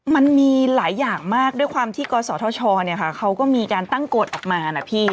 มันมีหลายอย่างมากด้วยความที่กศธชเขาก็มีการตั้งกฎออกมานะพี่